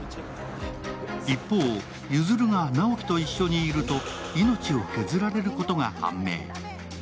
一方、譲が直木と一緒にいると命を削られることが判明。